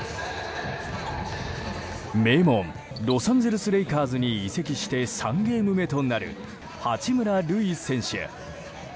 名門ロサンゼルス・レイカーズに移籍して３ゲーム目となる八村塁選手。